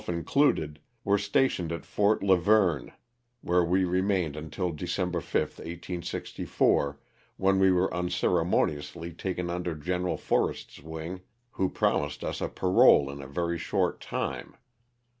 included, were stationed at Fort Lavergne, where we remained until December 5, 1864, when we were unceremoniously taken under Gen. Forrest's wing who promised us a parole in a very short time.